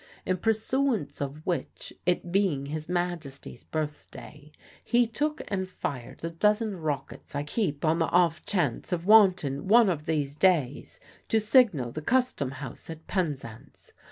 In pursooance o' which it being His Majesty's birthday he took and fired a dozen rockets I keep on the off chance of wantin' one of these days to signal the Custom House at Penzance.